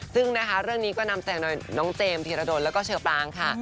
ซึ่งนะคะเรื่องนี้ก็นำแสงน้องเจมส์ธีรดลแล้วก็เชอปรางค่ะ